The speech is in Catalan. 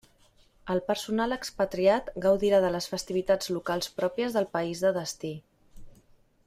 El personal expatriat gaudirà de les festivitats locals pròpies del país de destí.